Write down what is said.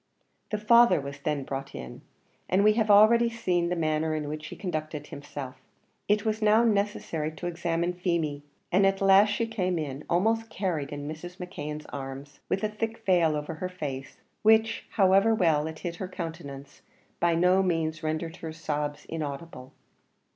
The father was then brought in, and we have already seen the manner in which he conducted himself. It was now necessary to examine Feemy, and at last she came in, almost carried in Mrs. McKeon's arms, with a thick veil over her face, which, however well it hid her countenance, by no means rendered her sobs inaudible.